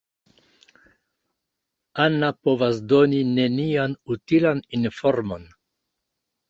Anna povas doni nenian utilan informon.